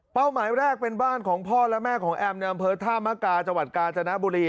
เป้าหมายแรกเป็นบ้านของพ่อและแม่ของแอบแนวบริเวณธามกาจกาญชนะบุรี